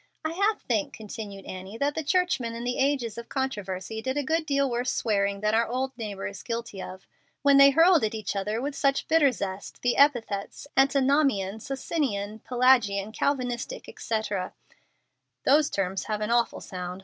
"I half think," continued Annie, "that the churchmen in the ages of controversy did a good deal of worse swearing than our old neighbor is guilty of when they hurled at each other with such bitter zest the epithets Antinomian, Socinian, Pelagian, Calvinistic, etc." "Those terms have an awful sound.